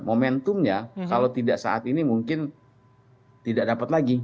momentumnya kalau tidak saat ini mungkin tidak dapat lagi